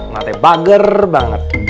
mak teh bager banget